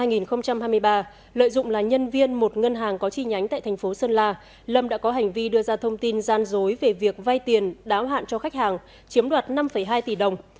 năm hai nghìn hai mươi ba lợi dụng là nhân viên một ngân hàng có chi nhánh tại thành phố sơn la lâm đã có hành vi đưa ra thông tin gian dối về việc vay tiền đáo hạn cho khách hàng chiếm đoạt năm hai tỷ đồng